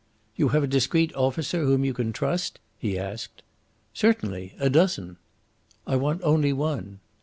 "You have a discreet officer whom you can trust?" he asked. "Certainly. A dozen." "I want only one."